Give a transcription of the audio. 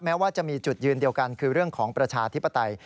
แม้ว่าจะมีจุดยืนเดียวกันคือเรื่องของประชาธิปไตย